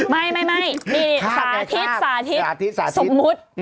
ไม่มีสาธิตสาธิตสมมุติ